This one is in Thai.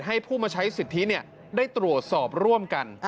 ให้ผู้มาใช้สิทธิได้ตรวจสอบร่วมกัน